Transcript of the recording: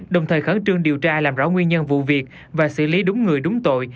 đồng thời khẩn trương điều tra làm rõ nguyên nhân vụ việc và xử lý đúng người đúng tội